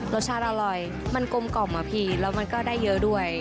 รสชาติอร่อยมันกลมกล่อมอะพี่แล้วมันก็ได้เยอะด้วย